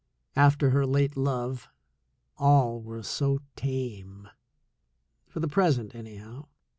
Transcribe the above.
After her late love, all were so tame, for the present anyhow.